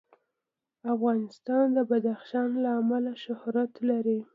افغانستان د بدخشان له امله شهرت لري.